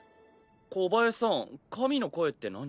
小林さん神の声って何？